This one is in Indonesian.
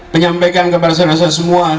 penyampaikan kepada semua semua